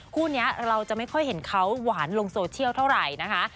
คู่นี้เราจะไม่ค่อยเห็นเขาหวานลงโซเชียลเท่าไหร่นะคะ